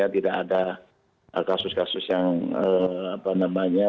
tidak ada kasus kasus yang apa namanya